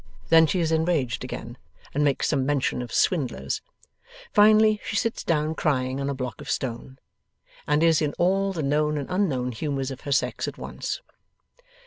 Then she is enraged again, and makes some mention of swindlers. Finally, she sits down crying on a block of stone, and is in all the known and unknown humours of her sex at once.